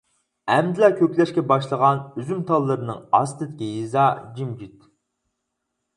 ئەمدىلا كۆكلەشكە باشلىغان ئۈزۈم تاللىرىنىڭ ئاستىدىكى يېزا جىمجىت.